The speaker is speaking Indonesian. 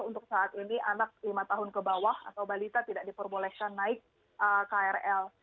untuk saat ini anak lima tahun ke bawah atau balita tidak diperbolehkan naik krl